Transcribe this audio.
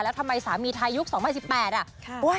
แล้วทำไมสามีไทยยุค๒๐๑๘อ่ะ